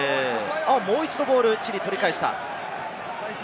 もう一度チリがボールを取り返した。